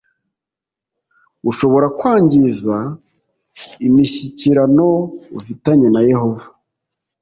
Ushobora kwangiza imishyikirano ufitanye na Yehova